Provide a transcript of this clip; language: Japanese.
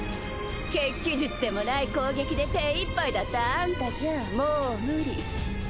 血鬼術でもない攻撃で手いっぱいだったあんたじゃもう無理